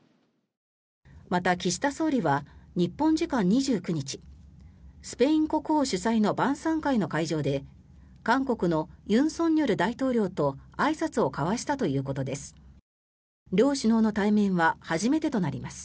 また、岸田総理は日本時間２９日スペイン国王主催の晩さん会の会場で韓国の尹錫悦大統領とあいさつを交わしたということです。